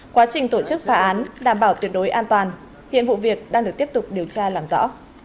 quá trình tổ chức phá án đảm bảo tuyệt đối an toàn hiện vụ việc đang được tiếp tục điều tra làm rõ